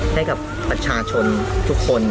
ให้กับประชาชนทุกคน